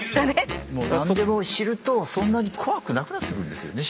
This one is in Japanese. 何でも知るとそんなに怖くなくなってくるんですよね。